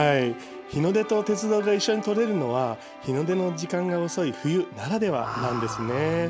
日の出と鉄道が一緒に撮れるのは日の出の時間が遅い冬ならではなんですね。